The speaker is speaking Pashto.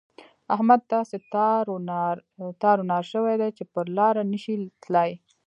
احمد داسې تار و نار شوی دی چې پر لاره نه شي تلای.